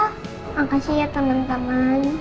makasih ya teman teman